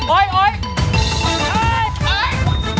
โอ๊ยโอ๊ย